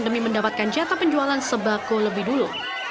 demi mendapatkan jata penjualan sembako lebih dulu